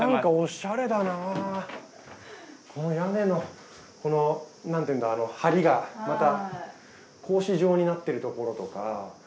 屋根のこのなんていうんだ梁がまた格子状になってるところとか。